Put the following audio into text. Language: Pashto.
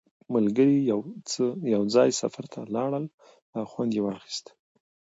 ملګري یو ځای سفر ته ولاړل او خوند یې واخیست